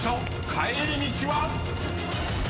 帰り道は⁉］